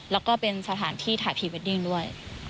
แล้วก็เป็นสถานที่ถ่ายพรีเวดดิ้งด้วย